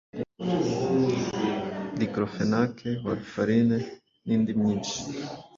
diclofenac, warfarin n’indi myinshi